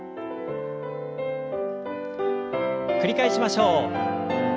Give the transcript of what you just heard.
繰り返しましょう。